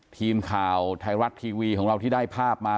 ทีมข่าวไทยรัฐทีวีของเราที่ได้ภาพมา